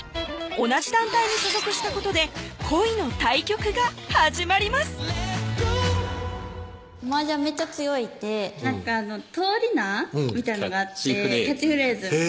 同じ団体に所属したことで恋の対局が始まります麻雀めっちゃ強いって通り名みたいなのがあってキャッチフレーズ